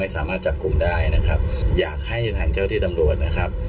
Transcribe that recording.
สามารถจับกลุ่มได้นะครับอยากให้ทางเจ้าที่ตำรวจนะครับ